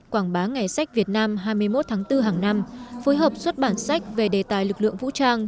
quảng bá ngày sách việt nam hai mươi một tháng bốn hàng năm phối hợp xuất bản sách về đề tài lực lượng vũ trang